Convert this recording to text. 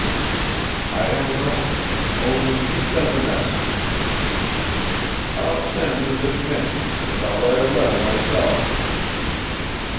"I don't know; only you send the messenger." "I'll send him this minute, and I'll write a letter myself."